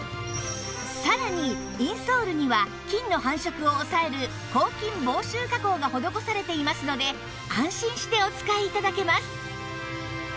さらにインソールには菌の繁殖を抑える抗菌防臭加工が施されていますので安心してお使い頂けます